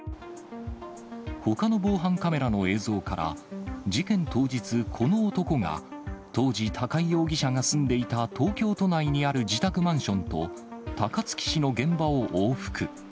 ほかの防犯カメラの映像から、事件当日、この男が、当時、高井容疑者が住んでいた東京都内にある自宅マンションと高槻市の現場を往復。